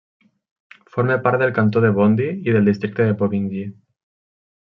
Forma part del cantó de Bondy i del districte de Bobigny.